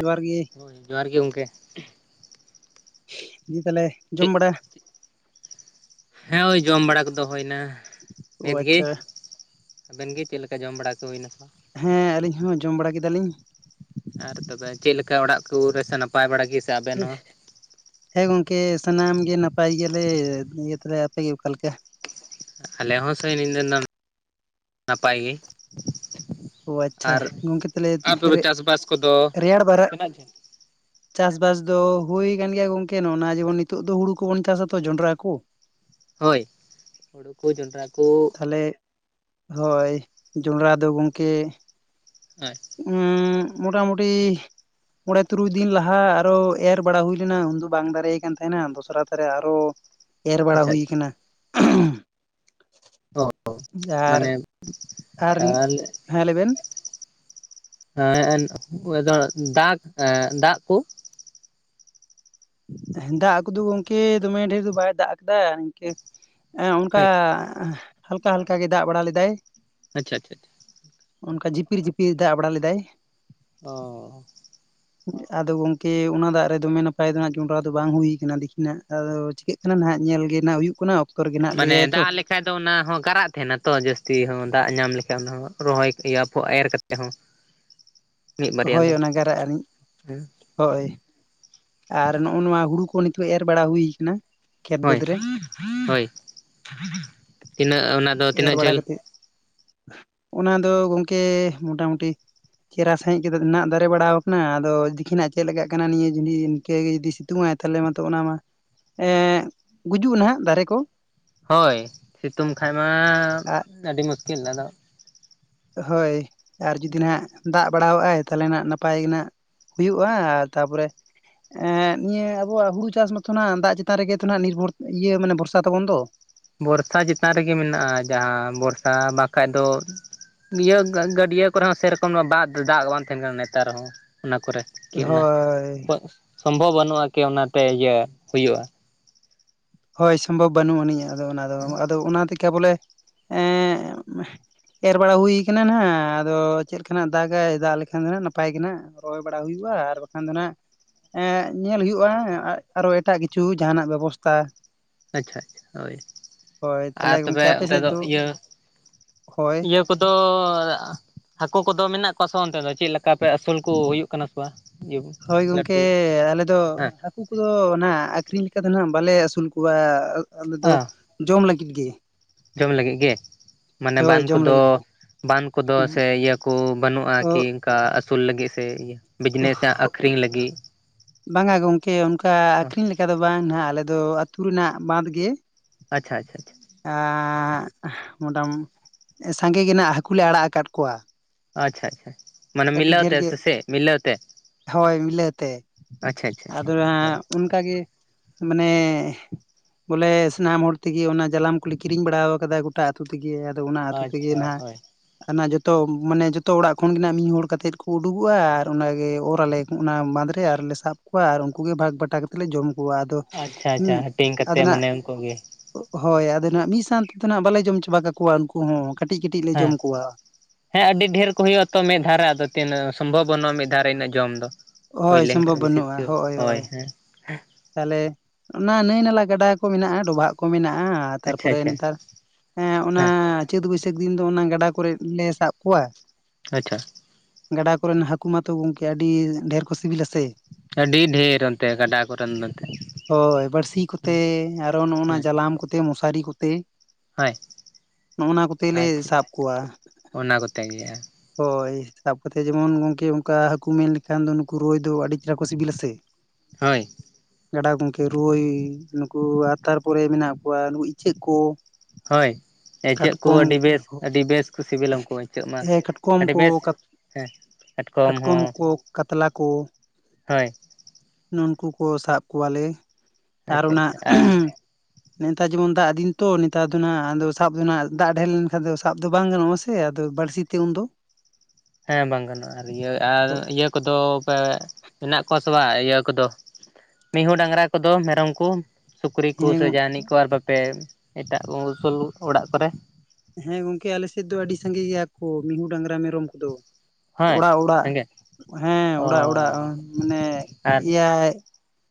ᱡᱚᱦᱟᱨ ᱜᱮ ᱡᱚᱦᱟᱨ ᱜᱮ ᱜᱚᱝᱠᱮ ᱫᱤ ᱛᱟᱦᱞᱮ ᱡᱚᱢ ᱪᱮᱫ ᱵᱟᱰᱟᱼᱼ ᱦᱮᱸ ᱳᱭ ᱡᱚᱢ ᱵᱟᱲᱟ ᱠᱚᱫᱚ ᱦᱳᱭ ᱱᱟ ᱚ ᱱᱤᱛᱜᱮ᱾ ᱟᱪᱪᱷᱟ ᱟᱵᱮᱱ ᱜᱮ ᱪᱮᱫ ᱞᱮᱠᱟ ᱡᱚᱢ ᱵᱟᱲᱟ ᱠᱚ ᱦᱩᱭᱱᱟ ᱥᱮ ᱵᱟᱝ? ᱦᱮᱸ ᱟᱹᱞᱤᱧ ᱦᱚᱸ ᱡᱚᱢ ᱵᱟᱲᱟ ᱠᱮᱫᱟᱞᱤᱧ᱾ ᱟᱨ ᱛᱚᱵᱮ ᱪᱮᱫ ᱞᱮᱠᱟ ᱚᱲᱟᱜ ᱠᱚ ᱨᱮ ᱥᱮ ᱱᱟᱯᱟᱭ ᱵᱟᱲᱟ ᱜᱮ? ᱥᱮ ᱟᱵᱮᱱ ᱦᱚᱸ ᱦᱮᱸ ᱜᱚᱝᱠᱮ ᱥᱟᱱᱟᱢ ᱜᱮ ᱱᱟᱯᱟᱭ ᱜᱮᱭᱟᱞᱮ ᱤᱭᱟᱹ ᱛᱟᱦᱞᱮ ᱟᱯᱮᱜᱮ ᱚᱠᱟ ᱞᱮᱠᱟ? ᱟᱞᱮ ᱦᱚᱸ ᱥᱟᱹᱭ ᱱᱤᱭᱟᱹ ᱫᱤᱱ ᱫᱚ ᱱᱟᱯᱟᱭ ᱜᱮᱼᱼ ᱚ ᱟᱪᱪᱷᱟ ᱜᱚᱝᱠᱮ ᱛᱟᱦᱞᱮ ᱪᱟᱥᱵᱟᱥ ᱠᱚᱫᱚ ᱨᱮ-ᱨᱮᱭᱟᱲ ᱵᱟᱨᱟᱜᱼᱼ ᱛᱤᱱᱟᱹᱜ ᱡᱷᱟᱹᱞ ᱪᱟᱥᱵᱟᱥ ᱫᱚ ᱦᱩᱭ ᱠᱟᱱ ᱜᱮᱭᱟ ᱜᱚᱝᱠᱮ ᱱᱚᱜᱼᱱᱟ ᱡᱮᱢᱚᱱ ᱱᱤᱛᱚᱜ ᱫᱚ ᱦᱩᱲᱩ ᱠᱚᱵᱚᱱ ᱪᱟᱥ ᱟᱛᱚ ᱡᱚᱱᱰᱨᱟ ᱠᱚ᱾ ᱦᱳᱭ ᱦᱳᱲᱳ ᱠᱚ ᱡᱚᱱᱰᱨᱟ ᱠᱚᱼᱼ ᱛᱟᱦᱚᱞᱮ ᱦᱚᱭ ᱡᱚᱱᱰᱨᱟ ᱫᱚ ᱜᱚᱢᱠᱮᱼᱼ ᱦᱳᱭ ᱦᱩ ᱢᱳᱴᱟᱢᱩᱴᱤ ᱢᱚᱬᱮ ᱛᱩᱨᱩᱭ ᱫᱤᱱ ᱞᱟᱦᱟ ᱟᱨᱚ ᱮᱨ ᱵᱟᱲᱟ ᱦᱩᱭ ᱞᱮᱱᱟ ᱩᱱ ᱫᱚ ᱵᱟᱝ ᱫᱟᱨᱮᱭ ᱠᱟᱱ ᱛᱟᱦᱮᱱᱟ ᱫᱚᱥᱨᱟ ᱛᱷᱟᱨᱮ ᱟᱨᱚᱼᱼ ᱮᱨ ᱵᱟᱲᱟ ᱟᱪᱪᱷᱟ ᱦᱩᱭ ᱟᱪᱪᱷᱟ ᱠᱟᱱᱟ᱾ ᱚ ᱟᱨ ᱢᱟᱱᱮ ᱟᱨ ᱦᱮᱸ ᱞᱟᱹᱭ ᱵᱮᱱ? ᱮᱸ ᱚᱭᱮᱫᱟ ᱫᱟᱜ ᱮ ᱫᱟᱜ ᱠᱚ' ᱮᱸ ᱫᱟᱜ ᱠᱚᱫᱚ ᱜᱚᱢᱠᱮ ᱫᱚᱢᱮ ᱰᱷᱮᱨ ᱫᱚ ᱵᱟᱭ ᱫᱟᱜ ᱠᱟᱫᱟ ᱱᱤᱝᱠᱟᱹ ᱮ ᱚᱱᱠᱟ ᱦᱳᱭ ᱦᱟᱞᱠᱟ ᱦᱟᱞᱠᱟ ᱜᱮ ᱫᱟᱜ ᱵᱟᱲᱟ ᱞᱮᱫᱟᱭ ᱟᱪᱪᱷᱟ ᱟᱪᱪᱷᱟ ᱚᱱᱠᱟ ᱡᱤᱯᱤᱨ ᱡᱤᱯᱤᱨ ᱫᱟᱜ ᱵᱟᱲᱟ ᱞᱮᱫᱟᱭ ᱚᱻ ᱟᱫᱚ ᱜᱚᱝᱠᱮ ᱚᱱᱟ ᱫᱟᱜ ᱨᱮᱫᱚ ᱫᱚᱢᱮ ᱱᱟᱯᱟᱭ ᱫᱚ ᱱᱟᱜ ᱡᱚᱸᱱᱰᱨᱟ ᱫᱚ ᱵᱟᱝ ᱦᱩᱭ ᱠᱟᱱᱟ ᱫᱤᱠᱤᱱᱟᱜ ᱟᱫᱚ ᱪᱤᱠᱟᱹᱜᱼᱼ ᱚᱱᱟ ᱢᱟ ᱱᱟᱦᱟᱜ ᱧᱮᱞ ᱜᱮ ᱱᱟᱜ ᱦᱩᱭᱩᱜ ᱠᱟᱱᱟ᱾ ᱨᱮᱜᱮ ᱱᱟᱜ ᱢᱟᱱᱮ ᱞᱟᱹᱭᱟᱭ ᱛᱚ ᱫᱟᱜ ᱞᱮᱼᱼ ᱵᱟᱠᱷᱟᱡ ᱫᱚ ᱚᱱᱟ ᱦᱚᱸ ᱜᱟᱨᱟᱜ ᱛᱟᱦᱮᱱᱟ ᱛᱚ ᱡᱟᱹᱥᱛᱤ ᱦᱚᱸ ᱫᱟᱜ ᱧᱟᱢ ᱞᱮᱠᱷᱟᱡ ᱚᱱᱟ ᱨᱚᱦᱚᱭ ᱮᱨ ᱠᱟᱛᱮ ᱦᱚᱸᱼᱼ ᱦᱳᱭ ᱚᱱᱟ ᱜᱟᱨ ᱟᱜ ᱱᱤᱡᱼᱼ ᱦᱮᱸ ᱦᱳᱭ ᱟᱨ ᱱᱚᱜᱼᱚ ᱱᱚᱣᱟ ᱦᱩᱲᱩ ᱠᱚ ᱱᱤᱛᱳ ᱮᱨ ᱵᱟᱲᱟ ᱦᱩᱭ ᱠᱟᱱᱟ᱾ ᱠᱷᱮᱛ ᱵᱟᱹᱫᱽ ᱦᱳᱭ ᱨᱮ ᱦᱳᱭ ᱛᱤᱱᱟᱹᱜ ᱚᱱᱟᱼᱼ ᱮᱨ ᱵᱟᱲᱟ ᱠᱟᱛᱮᱫ ᱚᱱᱟ ᱫᱚ ᱜᱚᱢᱠᱮ ᱢᱚᱴᱟᱢᱩᱴᱤ ᱪᱮᱦᱨᱟ ᱥᱟᱟᱹᱦᱤᱡ ᱜᱮ ᱱᱟᱜ ᱫᱟᱨᱮ ᱪᱮᱨᱟ ᱥᱟᱦᱤᱡ ᱜᱮ ᱱᱟᱜ ᱫᱟᱨᱮ ᱵᱟᱲᱟᱣ ᱟᱠᱟᱱᱟ ᱟᱫᱚ ᱫᱤᱠᱤᱱᱟᱜ ᱪᱮᱫ ᱮ ᱠᱟᱱᱟ ᱱᱤᱭᱟᱹ ᱡᱩᱫᱤ ᱤᱱᱠᱟᱹᱜ ᱜᱮ ᱡᱩᱫᱤ ᱥᱤᱛᱩᱝ ᱟᱭ᱾ ᱛᱟᱦᱚᱞᱮ ᱢᱟᱛᱚ ᱚᱱᱟ ᱢᱟ ᱮᱸᱜᱩᱡᱩᱜ-ᱟ ᱱᱟᱜ ᱫᱟᱨᱮ ᱠᱚᱼᱼ ᱦᱳᱭ ᱥᱤᱸᱛᱩᱝ ᱠᱷᱟᱡ ᱢᱟ ᱟᱨ ᱟᱹᱰᱤ ᱢᱩᱥᱠᱤᱞ ᱟᱫᱚᱼᱼ ᱦᱳᱭ ᱟᱨ ᱡᱩᱫᱤ ᱱᱟᱦᱟᱜᱼᱼ ᱫᱟᱜ ᱵᱟᱲᱟᱣᱟᱜᱼᱟᱭ ᱛᱟᱦᱚᱞᱮ ᱱᱟᱜ ᱱᱟᱯᱟᱭ ᱜᱮ ᱱᱟᱜ ᱦᱩᱭᱩᱜᱼᱟ ᱟᱨ ᱛᱟᱯᱚᱨᱮᱼᱼ ᱮ ᱱᱤᱭᱟᱹ ᱟᱵᱚᱣᱟᱜ ᱦᱩᱲᱩ ᱪᱟᱥ ᱢᱟᱛᱚ ᱮᱸ ᱱᱤᱭᱟᱹ ᱟᱵᱚᱣᱟᱜ ᱫᱟᱜ ᱪᱮᱛᱟᱱ ᱨᱮᱜᱮ ᱛᱚ ᱱᱟᱜ ᱱᱤᱨᱵᱷᱚᱨ ᱤᱭᱟᱹ ᱢᱟᱱᱮ ᱵᱷᱚᱨᱥᱟ ᱛᱟᱵᱚᱱ ᱫᱚᱼᱼ ᱵᱚᱨᱥᱟ ᱪᱮᱛᱟᱱ ᱨᱮᱜᱮ ᱢᱮᱱᱟᱜᱼᱟ ᱡᱟᱦᱟᱸ ᱵᱚᱨᱥᱟ ᱵᱟᱠᱷᱟᱡ ᱫᱚᱼᱼ ᱱᱤᱭᱟᱹ ᱜᱟᱹᱰᱭᱟᱹ ᱠᱚᱨᱮ ᱦᱚᱸ ᱥᱮᱨᱚᱠᱚᱢ ᱫᱚ ᱵᱟ ᱫᱟᱜ ᱵᱟᱝ ᱛᱟᱦᱮᱱ ᱠᱟᱱᱟ ᱱᱮᱛᱟᱨ ᱦᱚᱸ ᱚᱱᱟ ᱠᱚᱨᱮᱼᱼ ᱠᱤ ᱚᱱᱟ ᱦᱳᱭ ᱥᱚᱢᱵᱷᱚᱵᱽ ᱵᱟᱹᱱᱩᱜᱼᱟ ᱠᱤ ᱚᱱᱟᱛᱮ ᱤᱭᱟᱹ ᱦᱩᱭᱩᱜᱼᱟ᱾ ᱦᱳᱭ ᱥᱚᱢᱵᱷᱚᱵᱽ ᱵᱟᱹᱱᱩᱜ ᱟᱹᱱᱤᱡ ᱟᱫᱚ ᱚᱱᱟ ᱫᱚ ᱟᱫᱚ ᱚᱱᱟ ᱛᱮᱠᱮ ᱵᱚᱞᱮ ᱮᱸᱻ ᱮᱨ ᱵᱟᱲᱟ ᱦᱩᱭ ᱠᱟᱱᱟ ᱱᱟᱜ ᱟᱫᱚ ᱪᱮᱫ ᱠᱟᱱᱟᱜ ᱫᱟᱜᱟᱭ ᱫᱟᱜ ᱞᱮᱠᱷᱟᱱ ᱫᱚ ᱱᱟᱜ ᱱᱟᱯᱟᱭ ᱜᱮ ᱱᱟᱜ ᱨᱚᱦᱚᱭ ᱵᱟᱲᱟ ᱦᱩᱭᱩᱜᱼᱟ ᱟᱨ ᱵᱟᱠᱷᱟᱱ ᱫᱚ ᱱᱟᱜ ᱮᱸ ᱧᱮᱞ ᱦᱩᱭᱩᱜᱼᱟ ᱟᱨᱚ ᱮᱴᱟᱜ ᱠᱤᱪᱷᱩ ᱡᱟᱦᱱᱟᱜ ᱵᱮᱵᱚᱥᱛᱟ ᱟᱪᱪᱷᱟ ᱟᱪᱪᱷᱟ ᱦᱳᱭ ᱦᱳᱭ ᱛᱟᱦᱚᱞᱮ ᱟᱨ ᱜᱚᱝᱠᱮ ᱛᱚᱵᱮ ᱟᱯᱮ ᱚᱱᱛᱮ ᱥᱮᱫ ᱫᱚ ᱤᱭᱟᱹ ᱦᱳᱭ ᱤᱭᱟᱹ ᱠᱚᱫᱚ ᱦᱟᱹᱠᱩ ᱠᱚᱫᱚ ᱢᱮᱱᱟᱜ ᱠᱚᱣᱟ ᱥᱮ ᱵᱟ ᱚᱱᱛᱮ ᱫᱚ ᱪᱮᱫ ᱞᱮᱠᱟ ᱠᱟᱯᱮ ᱟᱹᱥᱩᱞᱠᱚ ᱦᱩᱭᱩᱜ ᱠᱟᱱᱟ ᱥᱮ ᱵᱟᱝ ᱡᱮ ᱦᱳᱭ ᱜᱚᱝᱠᱮ ᱞᱟᱹᱴᱩ ᱟᱞᱮ ᱫᱚ ᱦᱮᱸ ᱦᱟᱹᱠᱩ ᱠᱚᱫᱚ ᱱᱟᱜ ᱟᱹᱠᱷᱨᱤᱧ ᱞᱮᱠᱟ ᱫᱚ ᱱᱟᱜ ᱵᱟᱞᱮ ᱟᱹᱥᱩᱞ ᱠᱚᱣᱟ ᱟᱞᱮ ᱫᱚ ᱦᱮᱸ ᱡᱚᱢ ᱞᱟᱹᱜᱤᱫ ᱜᱮ ᱡᱚᱢ ᱞᱟᱹᱜᱤᱫ ᱜᱮ ᱢᱟᱱᱮ ᱦᱳᱭ ᱵᱟᱱ ᱡᱚᱢ ᱠᱚᱫᱚ ᱞᱟᱹᱜᱤᱫ ᱜᱮ ᱵᱟᱱ ᱠᱚᱫᱚ ᱥᱮ ᱤᱭᱟᱹ ᱠᱚ ᱵᱟᱹᱱᱩᱜᱼᱟ ᱠᱤ ᱠᱟ ᱟᱹᱥᱩᱞ ᱞᱟᱹᱜᱤᱫ ᱥᱮ ᱤᱭᱟᱹ ᱵᱤᱡᱽᱱᱮᱥ ᱟᱜ ᱟᱹᱠᱷᱨᱤᱧ ᱞᱟᱹᱜᱤᱫ ᱵᱟᱝᱟ ᱜᱚᱝᱠᱮ ᱚᱝᱠᱟ ᱟᱹᱠᱷᱨᱤᱧ ᱞᱮᱠᱟ ᱫᱚ ᱵᱟᱝ ᱱᱟᱜ ᱟᱞᱮ ᱫᱚ ᱟᱹᱛᱩ ᱨᱮᱱᱟᱜ ᱵᱟᱸᱫᱽ ᱜᱮ ᱟᱪᱷᱟ ᱟᱪᱷᱟ ᱟᱪᱷᱟ ᱟᱸᱻ ᱢᱚᱴᱟᱢ ᱥᱟᱸᱜᱮ ᱜᱮᱱᱟᱜ ᱦᱟᱹᱠᱩᱞᱮ ᱟᱲᱟᱜ ᱟᱠᱟᱫ ᱠᱚᱣᱟ ᱟᱪᱪᱷᱟ ᱟᱪᱪᱷᱟ ᱢᱟᱱᱮ ᱟᱹᱰᱤ ᱢᱤᱞᱟᱹᱣ ᱰᱷᱮᱨ ᱛᱮ ᱜᱮ ᱥᱮ ᱥᱮᱫ ᱢᱤᱞᱟᱹᱣ ᱛᱮ ᱦᱳᱭ ᱢᱤᱞᱟᱹᱛᱮ ᱟᱪᱪᱷᱟ ᱟᱪᱪᱷᱟ ᱟᱫᱚ ᱦᱳᱭ ᱱᱟᱜ ᱚᱱᱠᱟ ᱜᱮ ᱢᱟᱱᱮ ᱵᱚᱞᱮ ᱥᱟᱱᱟᱢ ᱦᱚᱲ ᱛᱮᱜᱮ ᱚᱱᱟ ᱡᱟᱞᱟᱢ ᱠᱚᱞᱮ ᱠᱤᱨᱤᱸᱧ ᱵᱟᱲᱟᱣ ᱠᱟᱫᱟ ᱜᱚᱴᱟ ᱟᱛᱩ ᱛᱮᱜᱮ ᱟᱫᱚ ᱚᱱᱟ ᱟᱹᱛᱩ ᱛᱮᱜᱮ ᱟᱪᱪᱷᱟ ᱱᱟᱜ ᱦᱳᱭ ᱚᱱᱟ ᱡᱚᱛᱚ ᱢᱟᱱᱮ ᱡᱚᱛᱚ ᱚᱲᱟᱜ ᱠᱷᱚᱱ ᱜᱮ ᱱᱟᱜ ᱢᱤᱫ ᱦᱚᱲ ᱠᱟᱛᱮᱫ ᱠᱚ ᱩᱰᱩᱠᱚᱜᱼᱟ ᱟᱨ ᱚᱱᱟᱜᱮ ᱚᱨ ᱟᱞᱮ ᱚᱱᱟ ᱵᱟᱸᱫᱽᱨᱮ ᱟᱨᱞᱮ ᱥᱟᱵ ᱠᱚᱣᱟ ᱟᱨ ᱩᱱᱠᱩᱜᱮ ᱵᱷᱟᱜᱽ ᱵᱟᱴᱟ ᱞᱮ ᱡᱚᱢ ᱠᱚᱣᱟ ᱟᱫᱚ ᱟᱪᱪᱷᱟ ᱟᱪᱪᱷᱟ ᱦᱟᱹᱴᱤᱧ ᱟᱫᱚ ᱠᱟᱛᱮᱫ ᱢᱟᱱᱮ ᱩᱝᱠᱩ ᱜᱤ ᱦᱳᱭ ᱟᱫᱚ ᱱᱟᱜ ᱢᱤᱫ ᱥᱟᱶ ᱛᱮᱫᱚ ᱱᱟᱜ ᱵᱟᱞᱮ ᱡᱚᱢ ᱪᱟᱵᱟ ᱠᱟᱠᱚᱣᱟ ᱩᱱᱠᱩ ᱦᱚᱸ ᱠᱟᱹᱴᱤᱡ ᱠᱟᱹᱴᱤᱡ ᱞᱮ ᱡᱚᱢ ᱦᱮᱸ ᱠᱚᱣᱟ ᱦᱮᱸ ᱟᱹᱰᱤ ᱰᱷᱮᱨ ᱠᱚ ᱦᱩᱭᱩᱜ ᱟ ᱛᱚ ᱢᱤᱫ ᱫᱷᱟᱨ ᱨᱮ ᱟᱫᱚ ᱛᱤᱱᱟᱹᱜ, ᱥᱚᱢᱵᱷᱚᱵᱽ ᱵᱚᱱᱩᱜᱼᱟ ᱢᱤᱫ ᱫᱷᱟᱨᱮ ᱤᱱᱟᱹᱜ ᱡᱚᱢ ᱫᱚ ᱦᱩᱭ ᱦᱳᱭ ᱞᱮᱱᱠᱷᱟᱱᱡ ᱥᱚᱢᱵᱷᱚᱵ ᱵᱮᱥᱤ ᱵᱟᱹᱱᱩᱜᱼᱟ ᱠᱤᱪᱷᱩ ᱦᱳᱭ ᱦᱮᱸ ᱛᱟᱦᱚᱞᱮ ᱚᱱᱟ ᱱᱟᱹᱭ ᱱᱟᱞᱟ, ᱜᱟᱰᱟ ᱠᱚ ᱢᱮᱱᱟᱜᱼᱟ, ᱰᱚᱵᱷᱟᱜ ᱠᱚ ᱢᱮᱱᱟᱜᱼᱟ ᱟᱪᱪᱷᱟ ᱛᱟᱨᱯᱚᱨᱮ ᱟᱪᱪᱷᱟ ᱱᱮᱛᱟᱨ ᱦᱮᱸ ᱚᱱᱟ ᱪᱟᱹᱛ ᱵᱟᱹᱭᱥᱟᱹᱠᱷ ᱫᱤᱱ ᱫᱚ ᱚᱱᱟ ᱜᱟᱰᱟ ᱠᱚᱨᱮ ᱞᱮ ᱥᱟᱵ ᱠᱚᱣᱟ ᱟᱪᱪᱷᱟ ᱜᱟᱰᱟ ᱠᱚᱨᱮᱱ ᱦᱟᱹᱠᱩ ᱢᱟᱛᱚ ᱜᱚᱝᱠᱮ ᱟᱹᱰᱤ ᱰᱷᱮᱨ ᱠᱚ ᱥᱤᱵᱤᱞᱟ ᱥᱮ ᱟᱹᱰᱤ ᱰᱷᱮᱨ ᱚᱱᱛᱮ ᱜᱟᱰᱟ ᱠᱚᱨᱮᱱ ᱫᱚ ᱮᱱᱛᱮ ᱦᱳᱭ ᱵᱟᱲᱥᱤ ᱠᱚᱛᱮ ᱟᱨᱚ ᱱᱚᱜ ᱱᱟ ᱦᱮᱸ ᱡᱟᱞᱟᱢ ᱠᱚᱛᱮ, ᱢᱚᱥᱟᱨᱤ ᱠᱚᱛᱮ ᱦᱳᱭ ᱱᱚᱜ-ᱱᱟ ᱠᱚᱛᱮ ᱞᱮ ᱟᱪᱪᱷᱟ ᱥᱟᱵ ᱠᱚᱣᱟ ᱚᱱᱟ ᱠᱚᱛᱮ ᱜᱮ ᱦᱳᱭ ᱥᱟᱵ ᱠᱟᱛᱮ ᱡᱮᱢᱚᱱ ᱜᱚᱝᱠᱮ ᱚᱝᱠᱟ ᱦᱟᱹᱠᱩ ᱢᱮᱱ ᱞᱮᱠᱷᱟᱱ ᱫᱚ ᱱᱩᱠᱩ ᱨᱳᱭ ᱫᱚ ᱟᱹᱰᱤ ᱪᱮᱦᱨᱟ ᱠᱚ ᱥᱤᱵᱤᱞᱟ ᱥᱮ ᱦᱳᱭ ᱜᱟᱰᱟ ᱜᱚᱝᱠᱮ ᱨᱩᱭ ᱱᱩᱠᱩ ᱟᱨ ᱛᱟᱨᱯᱚᱨᱮ ᱢᱮᱱᱟᱜ ᱠᱚᱣᱟ ᱱᱩᱠᱩ ᱤᱪᱟᱹᱜ ᱠᱚ ᱦᱳᱭ ᱤᱪᱟᱹᱜ ᱠᱚ ᱠᱟᱴᱠᱚᱢ ᱟᱹᱰᱤ ᱵᱮᱥ ᱟᱹᱰᱤ ᱵᱮᱥ ᱠᱚ ᱥᱤᱵᱞᱟ ᱩᱝᱠᱩ ᱤᱪᱟᱹᱜ ᱢᱟ ᱦᱮᱸ ᱠᱟᱴᱠᱚᱢ ᱟᱹᱰᱤ ᱠᱚ ᱵᱮᱥ ᱠᱟᱛ ᱦᱮᱸ ᱠᱟᱴᱠᱚᱢ ᱠᱚ ᱠᱟᱛᱞᱟ ᱠᱚ ᱦᱳᱭ ᱱᱩᱝᱠᱩ ᱠᱚ ᱥᱟᱵ ᱠᱚᱣᱟᱞᱮ ᱟᱨ ᱟᱪᱪᱷᱟ ᱚᱱᱟ ᱟᱪᱪᱷᱟ ᱟᱨ ᱱᱮᱛᱟᱨ ᱡᱮᱢᱚᱱ ᱫᱟᱜ ᱫᱤᱱ ᱛᱚ ᱱᱮᱛᱟᱨ ᱫᱚᱱᱟᱜ ᱟᱫᱚ ᱥᱟᱵ ᱫᱚᱱᱟᱜ ᱫᱟᱜ ᱰᱷᱮᱨ ᱞᱮᱱᱠᱷᱟᱱ ᱫᱚ ᱥᱟᱵ ᱫᱚ ᱵᱟᱝ ᱜᱟᱱᱚᱜᱼᱟᱥᱮ ᱥᱮ ᱟᱫᱚ ᱵᱟᱹᱲᱥᱤ ᱛᱮ ᱩᱱᱫᱚ ᱦᱮᱸ ᱵᱟᱝ ᱜᱟᱱᱚᱜᱼᱟ ᱤᱭᱟᱹ ᱟᱨ ᱤᱭᱟᱹ ᱠᱚᱫᱚ ᱯᱮ ᱢᱮᱱᱟᱜ ᱠᱚᱣᱟ ᱥᱮ ᱵᱟ ᱤᱭᱟᱹ ᱠᱚᱫᱚ, ᱢᱤᱦᱩ, ᱰᱟᱝᱨᱟ ᱠᱚᱫᱚ ᱢᱮᱨᱚᱢ ᱠᱚ ᱥᱩᱠᱨᱤ ᱠᱩ ᱦᱮᱸ ᱥᱮ ᱡᱟᱦᱟᱱᱤᱡ ᱠᱚ ᱟᱨ ᱵᱟᱯᱮ ᱮᱴᱟᱜ ᱩᱠᱩ ᱚᱲᱟᱜ ᱠᱚᱨᱮ ᱦᱮᱸ ᱜᱚᱝᱠᱮ ᱟᱞᱮ ᱥᱮᱫ ᱫᱚ ᱟᱹᱰᱤ ᱥᱟᱸᱜᱮ ᱜᱮᱭᱟ ᱠᱚ ᱢᱤᱦᱩ, ᱰᱟᱝᱨᱟ, ᱢᱮᱨᱚᱢ ᱠᱚᱫᱚ ᱦᱮᱸ ᱚᱲᱟᱜ ᱚᱲᱟᱜ ᱥᱟᱸᱜᱮ ᱦᱮᱸ ᱚ ᱚᱲᱟᱜ ᱚᱲᱟᱜ ᱢᱟᱱᱮ ᱟᱨ ᱮᱭᱟᱭ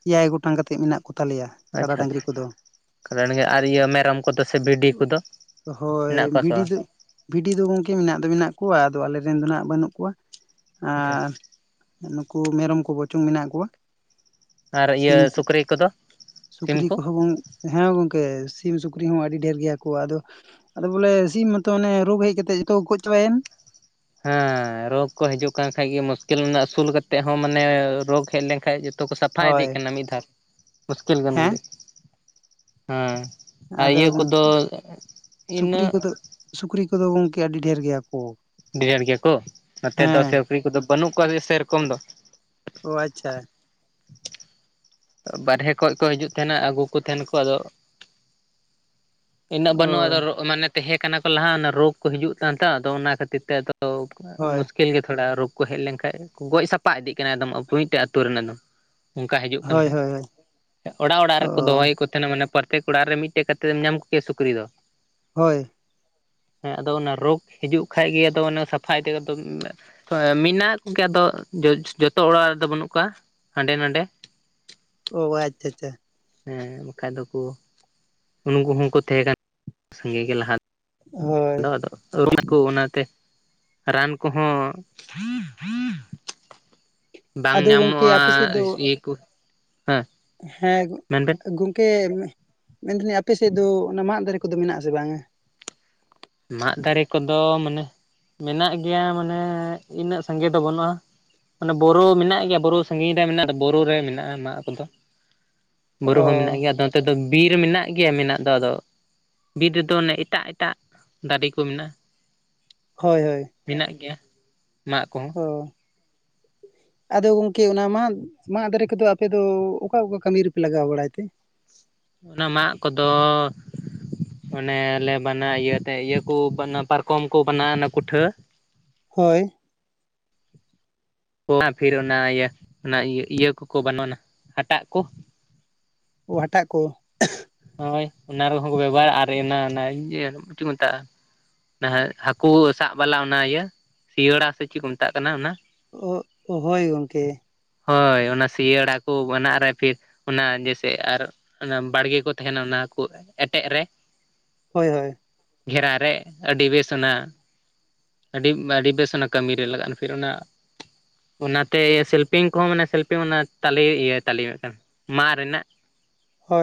ᱮᱭᱟᱭ ᱜᱚᱴᱟᱝ ᱠᱟᱛᱮᱫ ᱢᱮᱱᱟᱜᱼᱼ ᱟᱪᱪᱷᱟ ᱟᱪᱪᱷᱟ ᱟᱨ ᱜᱮ ᱟᱨ ᱤᱭᱟᱹ ᱢᱮᱨᱚᱢ ᱠᱚᱫᱚ ᱥᱮ ᱵᱷᱤᱰᱤ ᱠᱚᱫᱚ᱾ ᱢᱮᱱᱟᱜ ᱦᱳᱭ ᱠᱚᱣᱟ ᱥᱮ ᱵᱷᱤᱰᱤ ᱵᱟᱝ ᱟᱪᱪᱷᱟ ᱫᱚ ᱵᱷᱤᱰᱤ ᱫᱚ ᱜᱚᱢᱠᱮ ᱢᱮᱱᱟᱜ ᱫᱚ ᱢᱮᱱᱟᱜ ᱠᱚᱣᱟ ᱟᱫᱚ ᱟᱞᱮ ᱨᱮᱱ ᱫᱚ ᱱᱟᱜ ᱵᱟᱹᱱᱩᱜ ᱠᱚᱣᱟ᱾ ᱟᱪᱪᱷᱟ ᱟᱨ ᱱᱩᱠᱩ ᱢᱮᱨᱚᱢ ᱠᱚ ᱵᱚᱪᱚᱝ ᱢᱮᱱᱟᱜ ᱠᱚᱣᱟ᱾ ᱟᱨ ᱥᱤᱢ ᱤᱭᱟᱹ ᱥᱩᱠᱨᱤ ᱠᱚᱫᱚ ᱥᱤᱢ ᱥᱩᱠᱨᱤ ᱠᱚ ᱠᱚᱦᱚᱸ ᱵᱚᱱᱼᱼ ᱦᱮᱸ ᱜᱚᱝᱠᱮ ᱥᱤᱢ ᱥᱩᱠᱨᱤ ᱦᱚᱸ ᱟᱹᱰᱤ ᱰᱷᱮᱨ ᱜᱮᱭᱟ ᱠᱚ ᱟᱫᱚᱼᱼ ᱟᱫᱚ ᱵᱚᱞᱮ ᱥᱤᱢ ᱢᱟᱛᱚ ᱚᱱᱮ ᱨᱳᱜᱽ ᱦᱮᱡ ᱠᱟᱛᱮ ᱡᱚᱛᱚ ᱠᱚ ᱜᱚᱡ ᱪᱟᱵᱟᱭᱮᱱ᱾ ᱦᱮᱸ ᱨᱳᱜᱽ ᱠᱚ ᱦᱤᱡᱩᱜ ᱠᱟᱱ ᱠᱷᱟᱡ ᱜᱮ ᱢᱩᱥᱠᱤᱞ ᱨᱮᱱᱟᱜ ᱟᱹᱥᱩᱞ ᱠᱟᱛᱮᱫ ᱦᱚᱸ ᱢᱟᱱᱮ ᱨᱳᱜᱽ ᱦᱮᱡ ᱞᱮᱱᱠᱷᱟᱱᱼᱼ ᱛᱚ ᱠᱚ ᱥᱟᱯᱷᱟ ᱦᱳᱭ ᱤᱫᱤᱜ ᱠᱟᱱᱟ ᱢᱤᱫ ᱫᱷᱟᱣ, ᱢᱩᱥᱠᱤᱞ ᱜᱟᱱ ᱦᱮᱸ ᱜᱷᱟᱹᱲᱤ, ᱦᱮᱸ ᱟᱭ ᱟᱫᱚ ᱤᱭᱟᱹ ᱠᱚᱫᱚ ᱥᱩᱠᱨᱤ ᱤᱱᱟᱹᱜᱼᱼ ᱠᱚᱫᱚ ᱥᱩᱠᱨᱤ ᱠᱚᱫᱚ ᱜᱚᱝᱠᱮ ᱟᱹᱰᱤ ᱰᱷᱮᱨ ᱜᱮᱭᱟᱼᱼ ᱰᱮᱨ ᱜᱮᱭᱟ ᱠᱚ, ᱱᱚᱛᱮ ᱫᱚ ᱦᱮᱸ ᱥᱩᱠᱨᱤ ᱠᱚᱫᱚ ᱵᱟᱹᱱᱩᱜ ᱠᱚᱣᱟ ᱥᱮᱨᱚᱠᱚᱢ ᱫᱚ᱾ ᱚ ᱟᱪᱪᱷᱟ᱾ ᱵᱟᱨᱦᱮ ᱠᱷᱚᱡ ᱠᱚ ᱦᱤᱡᱩᱜ ᱛᱟᱦᱮᱸᱱᱟ ᱟᱹᱜᱩ ᱠᱚ ᱛᱟᱦᱮᱸᱱᱟ ᱠᱚ ᱟᱫᱚ᱾ ᱤᱱᱟᱹᱜ ᱵᱟᱹᱱᱩᱜᱼᱟ ᱚ ᱟᱫᱚ ᱢᱟᱱᱮ ᱛᱟᱦᱮᱸ ᱠᱟᱱᱟ ᱠᱚ ᱞᱟᱦᱟ ᱚᱱᱟ ᱨᱳᱜᱽ ᱠᱚ ᱦᱤᱡᱩᱜ ᱠᱟᱱ ᱛᱚ ᱟᱫᱚ ᱚᱱᱟ ᱠᱷᱟᱹᱛᱤᱨ ᱛᱮ ᱟᱫᱚ, ᱦᱳᱭ ᱢᱩᱥᱠᱤᱞ [inaudible] ᱩᱠᱤᱞ ᱜᱮ ᱛᱷᱚᱲᱟ ᱨᱳᱜ ᱠᱚ ᱦᱮᱡ ᱞᱮᱱᱠᱷᱟᱱ ᱜᱚᱡ ᱥᱟᱯᱟ ᱤᱫᱤᱜ ᱠᱟᱱᱟ ᱮᱫᱚᱢ ᱢᱤᱫᱴᱮᱡ ᱟᱹᱛᱩ ᱨᱮᱱ ᱮᱫᱚᱢ ᱚᱱᱠᱟ ᱦᱤᱡᱩᱜᱼᱟ᱾ ᱠᱷ ᱦᱳᱭ ᱦᱳᱭ ᱦᱳᱭ [unintelligible] ᱚᱲᱟᱜ -ᱚᱲᱟᱜ ᱨᱮᱠᱚ ᱫᱚᱦᱚᱭ ᱚ ᱠᱚ ᱛᱟᱱᱟ ᱢᱟᱱᱮ ᱯᱨᱚᱛᱛᱮᱠ ᱚᱲᱟᱜ ᱨᱮ ᱢᱤᱫᱴᱮᱡ ᱠᱟ ᱠᱟᱛᱮᱢ ᱧᱟᱢ ᱠᱚ ᱠᱮᱭᱟ ᱥᱩᱠᱨᱤ ᱫᱚ᱾ ᱦᱳᱭ᱾ ᱦᱮᱸ ᱟᱫᱚ ᱚᱱᱟ ᱨᱳᱜᱽ ᱦᱤᱡᱩᱜ ᱠᱷᱟᱜ ᱜᱮ ᱟᱫᱚ ᱥᱟᱯᱷᱟᱭ ᱛᱮ [unintelligible] ᱦᱚᱭ ᱢᱮᱱᱟᱜ ᱠᱚᱜᱮᱭᱟ ᱫᱚ ᱡᱚᱛᱚ ᱚᱲᱟᱜ ᱨᱮᱫᱚ ᱵᱟᱹᱱᱩᱜ ᱠᱚᱣᱟ ᱦᱟᱸᱰᱮ ᱱᱟᱰᱮ᱾ ᱚᱻ ᱟᱪᱪᱷᱟ ᱟᱪᱪᱷᱟ᱾ ᱦᱮᱸ ᱵᱟᱠᱷᱟᱡ ᱫᱚᱠᱩ ᱩᱱᱩᱠᱩᱦᱚᱸ ᱠᱚ ᱛᱟᱦᱮᱸ ᱠᱟᱱᱟ ᱥᱟᱸᱜᱮ ᱜᱮ ᱞᱟᱦᱟᱼᱼ ᱦᱳᱭ [inaudible] ᱞ ᱫᱚ [inaudible] ᱠᱚ ᱚᱱᱟᱛᱮ ᱨᱟᱱ ᱠᱚᱦᱚᱸ [inaudible] ᱵᱟᱝ ᱜᱚᱝᱠᱮ ᱧᱟᱢᱚᱜᱼᱟ ᱟᱯᱮ ᱥᱮᱫ ᱫᱚ ᱥᱤᱭᱟᱹ ᱠᱚ ᱦᱮᱸ ᱦᱮᱸ ᱜᱚᱼᱼ ᱢᱮᱱ ᱵᱮᱱᱼᱼ ᱜᱚᱝᱠᱮ ᱢᱮᱱᱫᱟ ᱞᱤᱧ ᱟᱯᱮ ᱥᱮᱫ ᱫᱚ ᱚᱱᱟ ᱢᱟᱫ ᱫᱟᱨᱮ ᱠᱚᱫᱚ ᱢᱮᱱᱟᱜ ᱟᱥᱮ ᱵᱟᱝᱼᱟ? ᱢᱟᱫᱽ ᱫᱟᱨᱮ ᱠᱚᱫᱚ ᱢᱟᱱᱮ ᱢᱮᱱᱟᱜ ᱜᱮᱭᱟ ᱢᱟᱱᱮ ᱤᱱᱟᱹᱜ ᱥᱟᱸᱜᱮ ᱫᱚ ᱵᱟᱹᱱᱩᱜᱼᱟ᱾ ᱚᱱᱮ ᱵᱳᱨᱳ ᱢᱮᱱᱟᱜ ᱜᱮᱭᱟ ᱵᱳᱨᱳ ᱥᱟᱺᱟᱹᱜᱤᱧ ᱨᱮ ᱢᱮᱱᱟᱜ ᱵᱳᱨᱳ ᱨᱮ ᱢᱮᱱᱟᱜᱼᱟ ᱢᱟᱜ ᱠᱚᱫᱚ, ᱵᱳᱨᱳ ᱚ ᱦᱚᱸ ᱢᱮᱱᱟᱜ ᱜᱮᱭᱟ ᱟᱫᱚ ᱱᱚᱱᱚᱛᱮ ᱫᱚ ᱵᱤᱨ ᱢᱮᱱᱟᱜ ᱜᱮᱭᱟ ᱢᱮᱱᱟᱜ ᱫᱚ ᱟᱫᱚ ᱵᱤᱨ ᱨᱮᱫᱚ ᱚᱱᱮ ᱮᱴᱟᱜ ᱮᱴᱟᱜ ᱫᱟᱨᱮ ᱠᱚ ᱢᱮᱱᱟᱜᱼᱟ᱾ ᱦᱳᱭ ᱦᱳᱭ᱾ ᱢᱮᱱᱟᱜ ᱜᱮᱭᱟ ᱢᱟᱜᱽ ᱠᱚᱦᱚᱸ᱾ ᱚᱻ ᱟᱫᱚ ᱜᱚᱢᱠᱮ ᱚᱱᱟ ᱢᱟᱫᱽ ᱢᱟᱜᱽ ᱫᱟᱨᱮ ᱠᱚᱫᱚ ᱟᱯᱮ ᱫᱚ ᱚᱠᱟ ᱚᱠᱟ ᱠᱟᱹᱢᱤ ᱨᱮᱯᱮ ᱞᱟᱜᱟᱣ ᱵᱟᱲᱟᱭ ᱛᱮ? ᱚᱱᱟ ᱢᱟᱜᱽ ᱠᱚᱫᱚ ᱚᱱᱮᱞᱮ ᱵᱟᱱᱟ ᱤᱭᱟᱹᱛᱮ ᱤᱭᱟᱹᱠᱩ ᱯᱟᱨᱠᱚᱢ ᱠᱚ ᱵᱮᱱᱟᱜᱼᱟ ᱚᱱᱟ ᱠᱩᱴᱷᱟᱹ ᱦᱳᱭ [unintelligible] ᱯᱷᱤᱨ ᱚᱱᱟ ᱤᱭᱟᱹ ᱚᱱᱟ ᱤᱭᱟᱹ ᱤᱭᱟᱹ ᱠᱚᱠᱚ ᱵᱟᱱᱩᱜᱱᱟ ᱦᱟᱴᱟᱜ ᱠᱚ ᱚ ᱦᱟᱴᱟᱜ ᱠᱚ, ᱦᱳᱭ ᱚᱱᱟ ᱨᱮᱦᱚᱸ ᱵᱮᱵᱚᱦᱟᱨᱟ ᱟᱨ ᱚᱱᱟ ᱚᱱᱟ ᱪᱮᱫ ᱠᱚ ᱢᱮᱛᱟᱜᱼᱟᱼᱼ ᱟᱸᱦᱟᱸᱜ ᱦᱟᱹᱠᱩ ᱥᱟᱵ ᱵᱟᱞᱟ ᱚᱱᱟ ᱤᱭᱟᱹ ᱥᱤᱭᱟᱹᱲᱟ ᱥᱮ ᱪᱮᱫ ᱠᱚ ᱢᱮᱛᱟᱜ ᱠᱟᱱᱟ ᱚᱱᱟ ᱳᱜ ᱦᱳᱭ ᱜᱚᱢᱠᱮ ᱦᱳᱭ ᱚᱱᱟ ᱥᱤᱭᱟᱹᱲᱟ ᱠᱚ ᱵᱮᱱᱟᱜ ᱨᱮ ᱯᱷᱤᱨ ᱚᱱᱟ ᱡᱟᱭᱥᱮ ᱟᱨ ᱵᱟᱲᱜᱮ ᱠᱚ ᱛᱟᱦᱮᱱᱟ ᱚᱱᱟ ᱠᱚ ᱮᱴᱮᱜᱽ ᱨᱮ ᱦᱳᱭ ᱦᱳᱭ ᱜᱷᱮᱨᱟ ᱨᱮ ᱟᱹᱰᱤ ᱵᱮᱥ ᱚᱱᱟ ᱟᱹᱰᱤ ᱟᱹᱰᱤ ᱵᱮᱥ ᱚᱱᱟ ᱠᱟᱹᱢᱤᱨᱮ ᱞᱟᱜᱟᱜᱼᱟ ᱯᱷᱤᱨ ᱚᱱᱟ ᱚᱱᱟᱛᱮ ᱥᱮᱞᱯᱷᱤᱝ ᱠᱚᱦᱚᱸ ᱢᱟᱱᱮ ᱥᱮᱞᱯᱷᱤᱝ ᱚᱱᱟ ᱛᱟᱞᱮ ᱤᱭᱟᱹ ᱛᱟᱞᱮ ᱢᱮᱜᱽᱴᱟᱝ ᱢᱟᱜᱽ ᱨᱮᱱᱟᱜ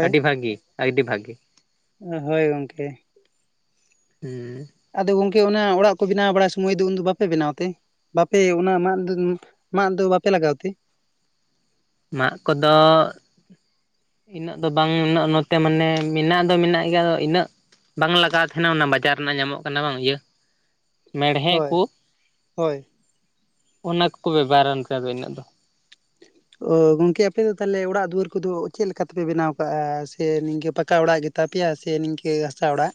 ᱟᱹᱰᱤ ᱵᱷᱟᱹᱜᱮ ᱟᱹᱰᱤ ᱵᱷᱟᱹᱜᱮ ᱩ ᱦᱳᱭ ᱜᱚᱝᱠᱮ, ᱦᱩᱸᱻ ᱟᱫᱚ ᱜᱚᱝᱠᱮ ᱚᱱᱟ ᱚᱲᱟᱜ ᱠᱚ ᱵᱮᱱᱟᱣ ᱵᱟᱲᱟᱭ ᱥᱚᱢᱚᱭ ᱫᱚ, ᱩᱱ ᱫᱚ ᱵᱟᱯᱮ ᱵᱮᱱᱟᱣ ᱛᱮ? ᱵᱟᱯᱮ ᱚᱱᱟ ᱢᱟᱫ ᱫᱚ ᱢᱟᱫ ᱫᱚ ᱵᱟᱯᱮ ᱞᱟᱜᱟᱣ ᱛᱮ? ᱢᱟᱜᱽ ᱠᱚᱫᱚ ᱤᱱᱟᱹᱜ ᱫᱚ ᱵᱟᱝ ᱩᱱᱟᱹᱜ ᱱᱚᱛᱮ ᱢᱟᱱᱮ ᱢᱮᱱᱟᱜ ᱫᱚ ᱢᱮᱱᱟᱜ ᱜᱮᱭᱟ ᱟᱫᱚ ᱤᱱᱟᱹᱜ ᱵᱟᱝ ᱞᱟᱜᱟᱣ ᱛᱟᱦᱮᱱᱟ ᱚᱱᱟ ᱵᱟᱡᱟᱨ ᱨᱮᱱᱟᱜ ᱧᱟᱢᱚᱜ ᱠᱟᱱᱟ ᱵᱟᱝ ᱤᱭᱟᱹ ᱢᱮᱲᱦᱮᱜᱽ ᱦᱳᱭ ᱠᱚ ᱦᱳᱭ ᱚᱱᱟ ᱠᱚᱠᱚ ᱵᱮᱵᱚᱦᱟᱨᱟ ᱚᱱᱠᱟ ᱫᱚ ᱤᱱᱟᱹᱜ ᱫᱚ [inaudible] ᱚ ᱜᱚᱝᱠᱮ ᱟᱯᱮ ᱫᱚ ᱛᱟᱦᱚᱞᱮ ᱚᱲᱟᱜ ᱫᱩᱣᱟᱹᱨ ᱠᱚᱫᱚ ᱪᱮᱫ ᱞᱮᱠᱟ ᱞᱮᱠᱟ ᱛᱮᱯᱮ ᱵᱮᱱᱟᱣ ᱠᱟᱜᱼᱟ ᱥᱮ ᱱᱤᱝᱠᱟᱹ ᱯᱟᱠᱟ ᱚᱲᱟᱜ ᱜᱮ ᱛᱟᱯᱮᱭᱟ ᱥᱮ ᱱᱤᱝᱠᱟᱹ ᱜᱟᱥᱟ ᱚᱲᱟᱜ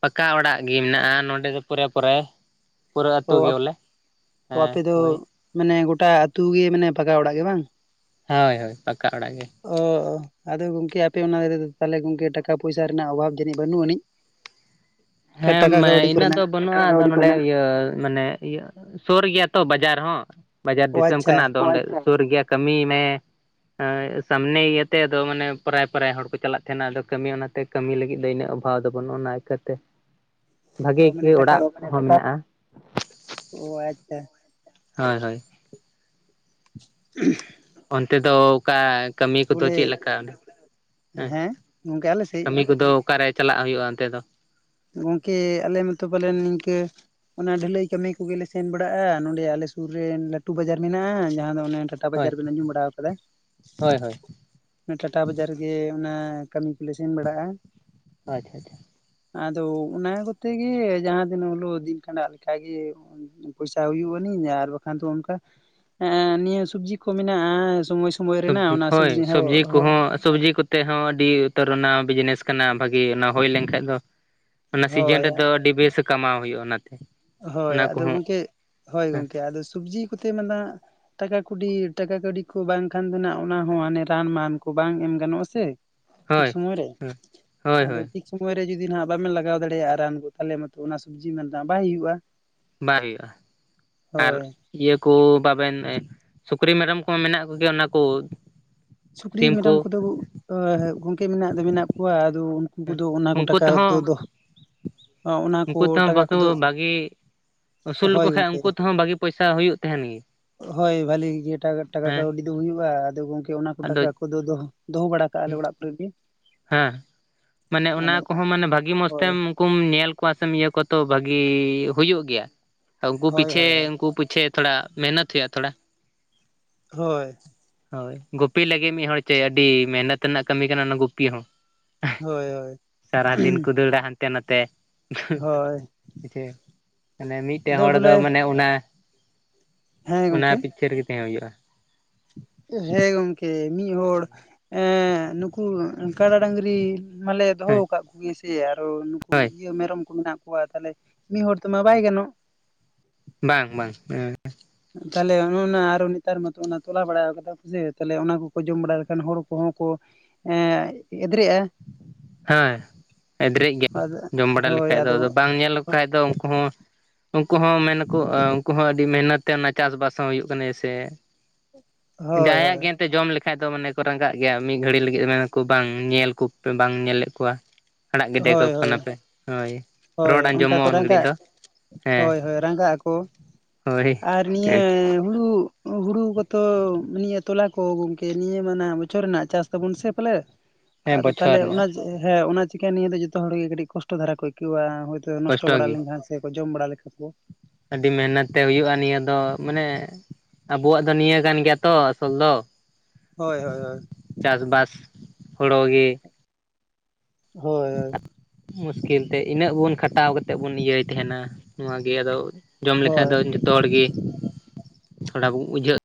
ᱯᱟᱠᱟ ᱚᱲᱟᱜ ᱜᱮ ᱢᱮᱱᱟᱜᱼᱟ ᱱᱚᱰᱮ ᱫᱚ ᱯᱚᱨᱮ ᱯᱚᱨᱮ ᱯᱩᱨᱟᱹ ᱚ ᱟᱹᱛᱩ ᱜᱮ ᱵᱚᱞᱮ ᱦᱮᱸ ᱟᱯᱮ ᱫᱚ ᱦᱳᱭ, ᱢᱟᱱᱮ ᱜᱚᱴᱟ ᱟ ᱟᱹᱛᱩ ᱜᱮ ᱢᱟᱱᱮ ᱯᱟᱠᱟ ᱚᱲᱟᱜ ᱜᱮ ᱵᱟᱝ ᱦᱳᱭ ᱦᱳᱭ ᱯᱟᱠᱟ ᱚᱲᱟᱜ ᱜᱮ᱾ ᱚ ᱟᱫᱚ ᱜᱚᱝᱠᱮ ᱟᱯᱮ ᱚᱱᱟ ᱤᱨᱟᱹ ᱛᱟᱦᱚᱞᱮ ᱜᱚᱝᱠᱮ ᱴᱟᱠᱟ, ᱯᱚᱭᱥᱟ ᱨᱮᱱᱟᱜ ᱚᱵᱷᱟᱵᱽ ᱡᱟᱹᱱᱤᱡ ᱵᱟᱹᱱᱩᱜ ᱟᱹᱱᱤᱡ ᱚᱱᱠᱟ ᱴᱟᱠᱟ ᱠᱟᱹᱣᱰᱤ ᱠᱚᱨᱮᱱᱟᱜ ᱱᱚᱣᱟ ᱱᱚᱰᱮ ᱤᱭᱟᱹ ᱢᱟᱱᱮ ᱤᱭᱟᱹ ᱥᱩᱨ ᱜᱮᱭᱟ ᱛᱚ ᱵᱟᱡᱟᱨ ᱦᱚᱸ ᱵᱟᱡᱟᱨ ᱚ ᱫᱤᱥᱚᱢ ᱟᱪᱪᱷᱟ ᱠᱟᱱᱟ ᱟᱫᱚ ᱦᱚᱭ ᱚᱸᱰᱮ ᱥᱩᱨ ᱜᱮᱭᱟ ᱠᱟᱹᱢᱤ ᱢᱮ ᱦᱳᱭ ᱥᱟᱢᱱᱮ ᱤᱭᱟᱹᱛᱮ ᱟᱫᱚ ᱢᱟᱱᱮ ᱯᱚᱨᱟᱭ ᱯᱚᱨᱟᱭ ᱦᱚᱲ ᱠᱚ ᱪᱟᱞᱟᱜ ᱛᱟᱦᱮᱱᱟ ᱟᱫᱚ ᱠᱟᱹᱢᱤ ᱚᱱᱟᱛᱮ ᱠᱟᱹᱢᱤ ᱞᱟᱹᱜᱤᱫ ᱫᱚ ᱤᱱᱟᱹᱜ ᱚᱵᱷᱟᱵᱽ ᱫᱚ ᱵᱟᱹᱱᱩᱜᱼᱟ ᱚᱱᱟ ᱤᱠᱟᱹᱛᱮ ᱵᱷᱟᱜᱤ ᱚ ᱜᱮ ᱢᱟᱱᱮ ᱴᱟᱠᱟ ᱚᱲᱟᱜ ᱦᱚᱸ ᱢᱮᱱᱟᱜᱼᱟ ᱚ ᱟᱪᱪᱷᱟ ᱦᱚᱭ ᱦᱚᱭ [inaudible] ᱚᱱᱛᱮ ᱫᱚ ᱚᱠᱼᱟ ᱠᱟᱹᱢᱤ ᱠᱚᱫᱚ ᱵᱚᱞᱮ ᱪᱮᱫ ᱞᱮᱠᱟ ᱦᱮᱸ ᱜᱚᱝᱠᱮ ᱟᱞᱮ ᱥᱮᱡ ᱠᱟᱹᱢᱤ ᱠᱚ ᱫᱚ ᱚᱠᱟᱨᱮ ᱪᱟᱞᱟᱜ ᱦᱩᱭᱩᱜᱼᱟ ᱚᱱᱛᱮ ᱫᱚ? ᱜᱚᱝᱠᱮ ᱟᱞᱮ ᱢᱟᱛᱚ ᱯᱟᱞᱮᱱ ᱱᱤᱝᱠᱟᱹ ᱚᱱᱟ ᱰᱷᱟᱹᱞᱟᱹᱭ ᱠᱟᱹᱢᱤ ᱠᱚᱜᱮᱞᱮ ᱥᱮᱱ ᱵᱟᱲᱟᱜᱼᱟ ᱱᱚᱸᱰᱮ ᱟᱞᱮ ᱥᱩᱨ ᱨᱮ ᱞᱟᱹᱴᱩ ᱵᱟᱡᱟᱨ ᱢᱮᱱᱟᱜᱼᱟ ᱡᱟᱦᱟᱸ ᱫᱚ ᱴᱟᱴᱟ ᱦᱳᱭ ᱵᱟᱡᱟᱨ ᱵᱤᱱ ᱟᱸᱡᱚᱢ ᱵᱟᱲᱟ ᱠᱟᱫᱼᱟ? ᱦᱳᱭ ᱦᱳᱭ ᱴᱟᱴᱟ ᱵᱟᱡᱟᱨ ᱨᱮᱜᱮ ᱚᱱᱟ ᱠᱟᱹᱢᱤ ᱠᱚᱞᱮ ᱥᱮᱱ ᱵᱟᱲᱟᱜᱼᱟ ᱟᱪᱪᱷᱟ ᱟᱪᱪᱷᱟ ᱟᱫᱚ ᱚᱱᱟ ᱠᱚᱛᱮᱜ ᱜᱮ ᱡᱟᱦᱟᱸ ᱫᱤᱱᱳᱜ ᱳᱰᱳᱠ ᱤᱫᱤᱜ ᱠᱟᱱᱟ ᱟᱰᱠᱟ ᱜᱮ ᱯᱚᱭᱥᱟ ᱦᱩᱭᱩᱜ ᱟᱹᱱᱤᱡ ᱟᱨ ᱵᱟᱠᱷᱟᱱ ᱫᱚ ᱚᱱᱠᱼᱟ ᱦᱮᱸ ᱱᱤᱭᱟᱹ ᱥᱚᱵᱡᱤ ᱠᱚ ᱢᱮᱱᱟᱜᱼᱟ ᱥᱚᱢᱚ ᱥᱚᱵᱽᱡᱤ ᱦᱳᱭ ᱥᱚᱵᱽᱡᱤ ᱠᱚᱦᱚᱸ ᱥᱚᱵᱽᱡᱤ ᱠᱚᱛᱮ ᱦᱚᱸ ᱟᱹᱰᱤ ᱩᱛᱟᱹᱨ ᱚᱱᱟ ᱵᱤᱡᱽᱱᱮᱥ ᱠᱟᱱᱟ ᱵᱷᱟᱹᱜᱤ ᱚᱱᱟ ᱦᱩᱭ ᱞᱮᱱᱠᱷᱟᱡ ᱫᱚ ᱚᱱᱟ ᱥᱤᱡᱮᱱ ᱦᱳᱭ ᱨᱮᱫᱚ ᱟᱹᱰᱤ ᱵᱮᱥᱼᱮ ᱠᱟᱢᱟᱣ ᱦᱩᱭᱩᱜᱼᱟ ᱚᱱᱟᱛᱮ, ᱦᱳᱭ ᱚᱱᱟ ᱟᱫᱚ ᱠᱚᱦᱚᱸ ᱜᱚᱝᱠᱮᱜ ᱦᱳᱭ ᱦᱮᱸ ᱜᱚᱝᱠᱮ ᱟᱫᱚ ᱥᱚᱵᱽᱡᱤ ᱠᱚᱛᱮ ᱢᱟᱱᱟᱜᱼᱟ ᱴᱟᱠᱟ ᱠᱩᱰᱤ ᱴᱟᱠᱟ ᱠᱟᱹᱣᱰᱤ ᱠᱚ ᱵᱟᱝᱠᱷᱟᱱ ᱫᱚ ᱱᱷᱟᱸᱜ ᱚᱱᱟ ᱦᱚᱸ ᱦᱟᱱᱮ ᱨᱟᱱ ᱢᱟᱱ ᱠᱚ ᱵᱟᱝ ᱮᱢ ᱜᱟᱱᱚᱜᱼᱟ ᱥᱮ? ᱴᱷᱤᱠ ᱦᱳᱭ ᱥᱚᱢᱚᱭ ᱨᱮ ᱦᱮᱸ ᱦᱳᱭ ᱟᱫᱚ ᱦᱳᱭ ᱴᱤᱜ ᱥᱚᱢᱚᱭ ᱨᱮ ᱡᱩᱫᱤ ᱱᱷᱟᱸᱜ ᱵᱟᱵᱮᱱ ᱞᱟᱜᱟᱣ ᱫᱟᱲᱮᱭᱟᱜᱼᱟ ᱨᱟᱱ ᱠᱚ ᱛᱟᱦᱮᱞᱮ ᱢᱟᱛᱚ ᱚᱱᱟ ᱥᱚᱵᱽᱡᱤ ᱢᱟ ᱱᱷᱟᱸᱜ ᱵᱟᱭ ᱦᱩᱭᱩᱜᱼᱟ᱾ ᱵᱟᱭ ᱦᱩᱭᱩᱜᱼᱟ, ᱟᱨ ᱦᱳᱭ ᱤᱭᱟᱹ ᱠᱚ ᱵᱟᱵᱮᱱ ᱮᱸ ᱥᱩᱠᱨᱤ ᱢᱮᱨᱚᱢ ᱠᱚᱦᱚᱸ ᱢᱮᱱᱟᱜ ᱠᱚᱜᱽᱼᱮᱭᱟ ᱚᱱᱟ ᱠᱚ ᱥᱩᱠᱨᱤ ᱥᱤᱢ ᱢᱮᱨᱚᱢ ᱠᱚ ᱠᱚᱫᱚᱜᱽᱼᱩᱜ ᱦᱮᱸ ᱜᱚᱝᱠᱮ ᱢᱮᱱᱟᱜ ᱫᱚ ᱢᱮᱱᱟᱜ ᱠᱚᱣᱟ ᱟᱫᱚ ᱩᱱ- ᱩᱱᱠᱩ ᱫᱚ ᱚᱱᱟ ᱠᱚ ᱩᱱᱠᱩ ᱴᱟᱠᱟ ᱚᱠᱛᱚ ᱛᱮᱦᱚᱸ ᱫᱚ, ᱟᱸ ᱚᱱᱟ ᱠᱚ ᱩᱱᱠᱩ ᱛᱮᱦᱚᱸ ᱴᱟᱠᱟ ᱠᱚᱫᱚ ᱵᱟᱠᱚ ᱵᱷᱟᱜᱤ ᱟᱹᱥᱩᱞ ᱞᱚᱠᱚ ᱦᱳᱭ ᱠᱷᱟᱡ ᱜᱚᱝᱠᱮ ᱩᱸᱠᱩ ᱛᱮᱦᱚᱸ ᱵᱷᱟᱜᱤ ᱯᱚᱭᱥᱟ ᱦᱩᱭᱩᱜ ᱛᱟᱦᱮᱸᱱ ᱜᱮ᱾ ᱦᱳᱭ ᱵᱷᱟᱹᱞᱤ ᱜᱮ ᱴᱟᱜᱟ ᱴᱟᱠᱟ ᱦᱮᱸ ᱠᱟᱹᱣᱰᱤ ᱫᱚ ᱦᱩᱭᱩᱜᱼᱟ, ᱟᱫᱚ ᱜᱚᱝᱠᱮ ᱚᱱᱟ ᱟᱫᱚ ᱴᱟᱠᱟ ᱠᱚᱫᱚ ᱫᱚᱦᱚ ᱫᱚᱦᱚ ᱵᱟᱲᱟ ᱠᱟᱜᱼᱟ ᱞᱮ ᱚᱲᱟᱜ ᱠᱚᱨᱮ ᱜᱮ ᱾ ᱦᱮᱸᱜ ᱢᱟᱱᱮ ᱚᱱᱟ ᱠᱚᱦᱚᱸ ᱢᱟᱱᱮ ᱵᱷᱟᱜᱤ ᱢᱚᱸᱡᱽ ᱦᱳᱭ ᱛᱮᱢ ᱠᱩᱢ ᱧᱮᱞ ᱠᱚᱣᱟ ᱥᱮᱢ ᱤᱭᱟᱹ ᱛᱚ ᱵᱷᱟᱹᱜᱤ ᱦᱩᱭᱩᱜ ᱜᱮᱭᱟ, ᱛᱚ ᱩᱸᱠᱩ ᱦᱳᱭ ᱯᱤᱪᱷᱮ ᱦᱳᱭ ᱩᱸᱠᱩ ᱯᱤᱪᱷᱮ ᱛᱷᱚᱲᱟ ᱢᱮᱦᱱᱚᱛ ᱦᱩᱭᱩᱜᱼᱟ ᱛᱷᱚᱲᱟ, ᱦᱳᱭ᱾ ᱦᱳᱭ ᱜᱩᱯᱤ ᱞᱟᱹᱜᱤᱜ ᱢᱤᱫ ᱦᱚᱲ ᱪᱮ ᱟᱹᱰᱤ ᱢᱮᱦᱱᱚᱛ ᱨᱮᱱᱟᱜ ᱠᱟᱹᱢᱤ ᱠᱟᱱᱟ ᱚᱱᱟ ᱜᱩᱯᱤ ᱦᱚᱸ᱾ [unintelligible] ᱦᱳᱭ ᱦᱳᱭ ᱥᱟᱨᱟ ᱫᱤᱱ ᱠᱚ ᱫᱟᱹᱲᱼᱟ ᱦᱟᱱᱛᱮ ᱱᱟᱛᱮ, [unintelligible] ᱦᱳᱭ ᱦᱮᱪᱮ, ᱢᱟᱱᱮ ᱢᱤ- ᱢᱤᱫᱴᱟᱹᱝ ᱟᱫᱚ ᱦᱚᱲ ᱫᱚ ᱵᱚᱞᱮ ᱢᱟᱱᱮ ᱚᱱᱟ ᱦᱮᱸ ᱚᱱᱟ ᱜᱚᱝᱠᱮ ᱯᱤᱪᱷᱟᱹ ᱨᱮᱜᱮ ᱛᱟᱦᱮᱸ ᱦᱩᱭᱩᱜᱼᱟ᱾ ᱦᱮᱸ ᱜᱚᱝᱠᱮ ᱢᱤᱫ ᱦᱚᱲ ᱮᱸ ᱱᱩᱠᱩ ᱠᱟᱰᱟ ᱰᱟᱺᱜᱽᱨᱤ ᱢᱟᱱᱞᱤᱹᱭᱟᱹ ᱫᱚᱦᱚ ᱦᱮᱸ ᱟᱠᱟᱫ ᱠᱚ ᱜᱤᱭᱟᱹ ᱥᱮ ᱟᱨᱚ ᱱᱩᱠᱩ ᱦᱳᱭ ᱤᱭᱟᱹ ᱢᱮᱨᱚᱢ ᱠᱚ ᱢᱮᱱᱟᱜ ᱠᱚᱣᱟᱭ ᱛᱟᱞᱮ, ᱢᱤᱜ ᱦᱚᱲ ᱛᱮᱢᱟ ᱵᱟᱭ ᱜᱟᱱᱚᱜ ᱵᱟᱝ ᱵᱟᱝ, ᱩᱸᱦ ᱛᱟᱦᱮᱞᱮ ᱚᱱᱚ ᱚᱱᱟ ᱟᱨᱚ ᱱᱮᱛᱟᱨ ᱢᱟᱛᱚ ᱚᱱᱟ ᱛᱚᱞᱟ ᱵᱟᱲᱟ ᱭᱟᱠᱟᱫᱟ ᱠᱚᱥᱮ ᱛᱟᱦᱮᱞᱮ ᱚᱱᱟ ᱠᱚᱠᱚ ᱡᱚᱢ ᱵᱟᱲᱟ ᱞᱮᱠᱷᱟᱱ ᱦᱚᱲ ᱠᱚᱦᱚᱸ ᱠᱚ ᱮᱸ ᱮᱫᱽᱨᱮᱜᱼᱟ, ᱦᱚᱸᱭ ᱮᱫᱽᱨᱮᱜ ᱜᱮᱭᱟᱠᱚ ᱟᱫᱚ ᱡᱚᱢ ᱵᱟᱰᱟ ᱦᱳᱭ ᱞᱮᱠᱷᱟᱡ ᱫᱚ ᱟᱫᱚ ᱵᱟᱝ ᱧᱮᱞ ᱞᱮᱠᱚ ᱠᱷᱟᱡ ᱫᱚ ᱩᱸᱠᱩ ᱦᱚᱸ ᱩᱸᱠᱩ ᱦᱚᱸ ᱢᱮᱱᱟᱠᱚ ᱩᱸᱠᱩ ᱦᱚᱸ ᱟᱹᱰᱤ ᱢᱮᱦᱱᱚᱛ ᱛᱮ ᱚᱱᱟ ᱪᱟᱥᱵᱟᱥ ᱦᱚᱸ ᱦᱩᱭᱩᱜ ᱠᱟᱱᱟᱹᱭ ᱥᱮ [unintelligible] ᱜᱟᱸᱭᱟᱜ ᱜᱮ ᱮᱸᱛᱮ ᱡᱚᱢ ᱞᱮᱠᱷᱟᱡ ᱫᱚ ᱢᱟᱱᱮ ᱠᱚ ᱨᱟᱸᱜᱟᱜ ᱜᱮᱭᱟ ᱢᱤᱫ ᱜᱷᱟᱹᱲᱤ ᱞᱟᱹᱜᱤᱫ ᱢᱮᱱᱟ ᱠᱩ ᱵᱟᱝ, ᱧᱮᱞ ᱠᱚᱯᱮ ᱵᱟᱝ ᱧᱮᱞᱮᱫ ᱠᱚᱣᱟ, ᱟᱲᱟᱜ ᱜᱤᱰᱮ ᱦᱳᱭ ᱠᱟᱠᱚ ᱦᱳᱭ ᱠᱟᱱᱟ ᱯᱮ, ᱦᱳᱭ, ᱦᱳᱭ ᱨᱚᱲ ᱚᱱᱠᱟ ᱠᱚ ᱟᱸᱡᱚᱢᱚᱜᱼᱟ ᱩᱱ ᱜᱷᱟᱹᱲᱤᱡ ᱨᱟᱸᱜᱽᱼᱟᱜ, ᱫᱚ ᱦᱮᱸ ᱦᱳᱭ ᱦᱳᱭ ᱨᱟᱸᱜᱽᱼᱟᱜ ᱟᱠᱚ ᱦᱳᱭ [unintelligible] ᱮᱸ, ᱦᱩᱲᱩᱜ ᱦᱩᱲᱩ ᱠᱚᱛᱚ ᱱᱤᱭᱟᱹ ᱛᱚᱞᱟ ᱠᱚ ᱜᱚᱝᱠᱮ ᱱᱤᱭᱟᱹ ᱢᱟ ᱱᱷᱟᱸᱜ ᱵᱚᱪᱷᱚᱨ ᱨᱮᱱᱟᱜ ᱪᱟᱥ ᱛᱟᱵᱚᱱ ᱥᱮ ᱯᱟᱞᱮᱫ? ᱦᱮᱸ ᱟᱫᱚ ᱛᱟᱦᱮᱞᱮ ᱵᱚᱪᱷᱚᱨ ᱨᱮᱱᱟᱜ ᱚᱱᱟᱡᱽ ᱦᱮᱸ ᱚᱱᱟ ᱪᱤᱠᱟᱹ ᱱᱤᱭᱟᱹ ᱫᱚ ᱡᱚᱛᱚ ᱦᱚᱲ ᱜᱮ ᱠᱟᱹᱴᱤᱡ ᱠᱚᱥᱴᱚ ᱫᱷᱟᱨᱟ ᱠᱚ ᱟᱹᱭᱠᱟᱹᱣᱟ ᱦᱳᱭᱛᱳ, ᱛᱚ ᱱᱚᱥᱴᱚ ᱠᱚᱥᱴᱚ ᱵᱟᱲᱟ ᱜᱮ ᱞᱮᱱᱠᱷᱟᱱ ᱥᱮ ᱠᱚ ᱡᱚᱢ ᱵᱟᱲᱟ ᱞᱮᱠᱷᱟᱡ ᱠᱚ᱾ ᱟᱹᱰᱤ ᱢᱮᱦᱱᱚᱛ ᱛᱮ ᱦᱩᱭᱩᱜᱼᱟ ᱱᱤᱭᱟᱹ ᱫᱚ ᱢᱟᱱᱮ ᱟᱵᱚᱣᱟᱜ ᱫᱚ ᱱᱤᱭᱟᱹ ᱠᱟᱱ ᱜᱮᱭᱟ ᱛᱚ ᱟᱥᱚᱞ ᱫᱚ᱾ ᱦᱳᱭ ᱦᱳᱭ ᱦᱳᱭ᱾ ᱪᱟᱥ ᱵᱟᱥ ᱦᱩᱲᱳ ᱜᱮ, ᱦᱳᱭ ᱦᱳᱭ᱾ [inaudible] ᱢᱩᱥᱠᱤᱞ ᱛᱮ ᱤᱱᱟᱹᱜ ᱵᱚᱱ ᱠᱷᱟᱴᱟᱣ ᱠᱟᱛᱮᱫ ᱵᱚᱱ ᱤᱭᱟᱹᱭ ᱛᱟᱦᱮᱸᱱᱟ ᱱᱚᱣᱟ ᱜᱮ ᱟᱫᱚ ᱡᱚᱢ ᱦᱳᱭ ᱞᱮᱠᱷᱟᱡ ᱦᱳᱭ ᱫᱚ ᱡᱚᱛᱚ ᱦᱚᱲ ᱜᱮ ᱛᱷᱚᱲᱟᱚ ᱵᱩᱡᱷᱟᱹᱜ